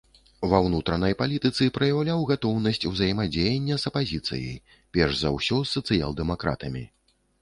Ва ўнутранай палітыцы праяўляў гатоўнасць ўзаемадзеяння з апазіцыяй, перш за ўсё з сацыял-дэмакратамі.